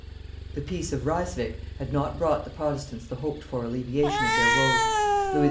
The peace of Ryswick had not brought the Protestants the hoped for alleviation of their woes. Louis XIV.